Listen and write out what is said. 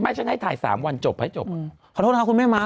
ไม่ฉันให้ถ่ายสามวันจบให้จบอืมขอโทษนะครับคุณแม่มา